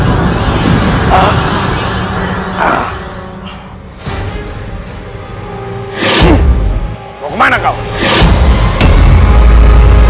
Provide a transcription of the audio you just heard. aduh kuduku mahatu